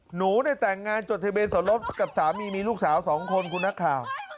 หนูได้แต่งงานจนทีเบนสนรถกับสามีมีลูกสาวสองคนคุณนักข่าว